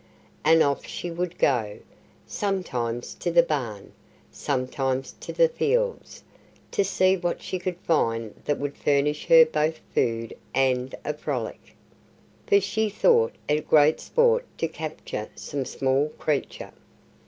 And off she would go sometimes to the barn, sometimes to the fields to see what she could find that would furnish her both food and a frolic. For she thought it great sport to capture some small creature.